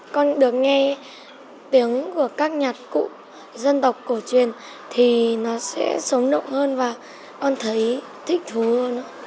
con được nghe tiếng của các nhạc cụ dân tộc cổ truyền thì nó sẽ sống động hơn và con thấy thích thú hơn nữa